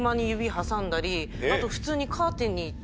あと普通に。